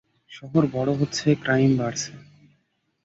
শহর বড় হচ্ছে, ক্রাইম বাড়ছে।